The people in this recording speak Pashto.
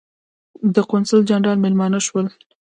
د قونسل جنرال مېلمانه شولو.